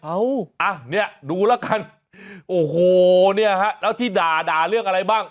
อ่ะเนี่ยดูแล้วกันโอ้โหเนี่ยฮะแล้วที่ด่าด่าเรื่องอะไรบ้าง